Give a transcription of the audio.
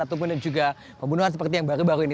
ataupun juga pembunuhan seperti yang baru baru ini